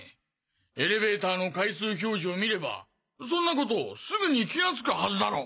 エレベーターの階数表示を見ればそんなことすぐに気がつくはずだろ？